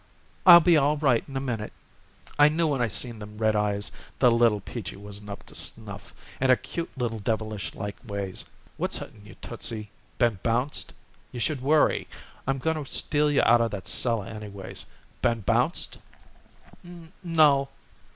I I'll be all right in a minute." "I knew when I seen them red eyes the little Peachy wasn't up to snuff, and her cute little devilishlike ways. What's hurting you, Tootsie? Been bounced? You should worry. I'm going to steal you out of that cellar, anyways. Been bounced?" "N no."